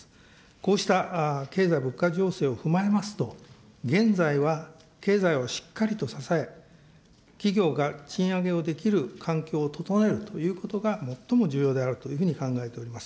こうした経済、物価情勢を踏まえますと、現在は経済をしっかりと支え、企業が賃上げをできる環境を整えるということが最も重要であるというふうに考えております。